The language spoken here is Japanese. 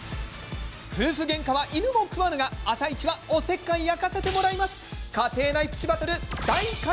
夫婦げんかは犬も食わぬが「あさイチ」はおせっかい焼かせてもらいます。